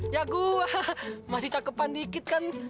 ya gue masih cakepan dikit kan